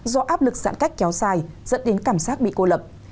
do áp lực giãn cách kéo dài dẫn đến cảm giác bị cô lập